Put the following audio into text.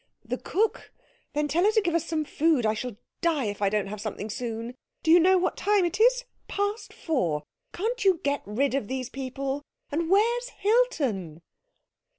"The cook? Then tell her to give us some food. I shall die if I don't have something soon. Do you know what time it is? Past four. Can't you get rid of these people? And where's Hilton?"